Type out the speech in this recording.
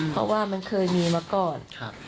เพราะว่ามันเคยมีมาก่อน